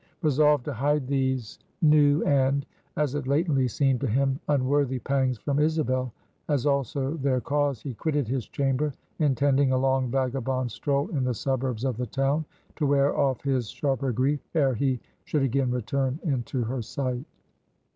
Resolved to hide these new, and as it latently seemed to him unworthy pangs, from Isabel, as also their cause, he quitted his chamber, intending a long vagabond stroll in the suburbs of the town, to wear off his sharper grief, ere he should again return into her sight.